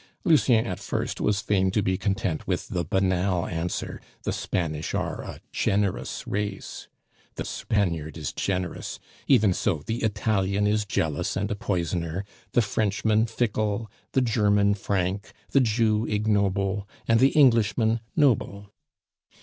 Lucien at first was fain to be content with the banal answer the Spanish are a generous race. The Spaniard is generous! even so the Italian is jealous and a poisoner, the Frenchman fickle, the German frank, the Jew ignoble, and the Englishman noble.